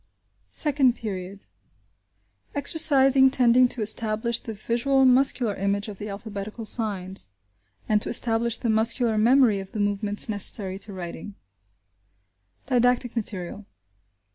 SECOND PERIOD: EXERCISES TENDING TO ESTABLISH THE VISUAL MUSCULAR IMAGE OF THE ALPHABETICAL SIGNS: AND TO ESTABLISH THE MUSCULAR MEMORY OF THE MOVEMENTS NECESSARY TO WRITING Didactic Material.